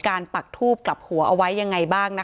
การแก้เคล็ดบางอย่างแค่นั้นเอง